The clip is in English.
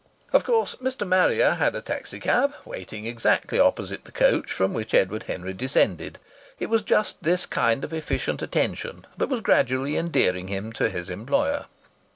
Of course Mr. Marrier had a taxi cab waiting exactly opposite the coach from which Edward Henry descended. It was just this kind of efficient attention that was gradually endearing him to his employer.